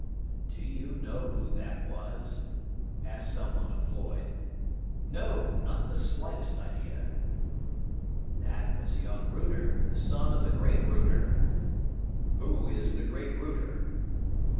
"Do you know who that was?" asked someone of Floyd. "No, not the slightest idea." "That was young Router, the son of the great Router." "Who is the great Router?"